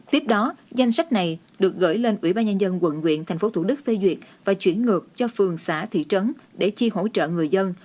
tiếp đó danh sách này được gửi lên ủy ban nhân dân quận huyện tp hcm và chuyển ngược cho phường xã thị trấn để chia hỗ trợ người dân